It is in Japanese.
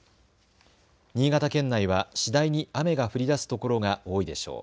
新潟県内は次第に雨が降りだす所が多いでしょう。